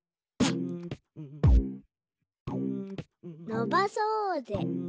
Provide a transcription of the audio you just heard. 「のばそーぜ」